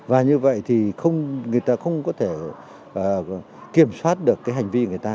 và như vậy thì người ta không có thể kiểm soát được hành vi người ta